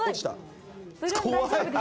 怖い！